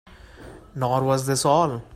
Nor was this all.